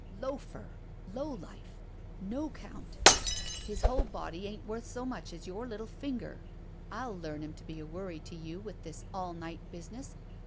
"Loafer! Low life! No 'count! His whole body ain't worth so much as your little finger. I'll learn him to be a worry to you with this all night business.